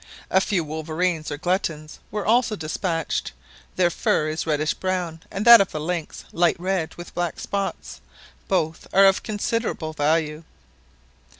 A few wolverines or gluttons were also despatched, their fur is reddish brown, and that of the lynx, light red with black spots; both are of considerable value.